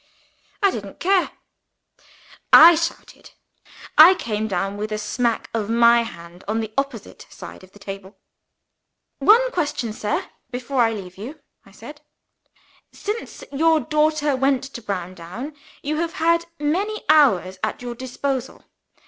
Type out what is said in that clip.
I didn't care. I shouted. I came down, with a smack of my hand, on the opposite side of the table. "One question, sir, before I leave you," I said. "Since your daughter went to Browndown, you have had many hours at your disposal.